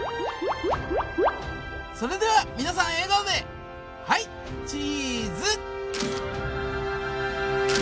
それでは皆さん笑顔ではいチーズ